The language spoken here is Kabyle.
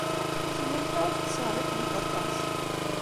Ur tellimt ara tettṣerrifemt aṭas.